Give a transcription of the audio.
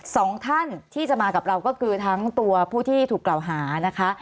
สองท่านที่จะมากับเราก็คือทั้งตัวผู้ที่ถูกกล่าวหานะคะ